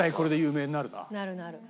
なるなる。